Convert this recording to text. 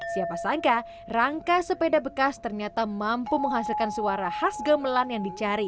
siapa sangka rangka sepeda bekas ternyata mampu menghasilkan suara khas gamelan yang dicari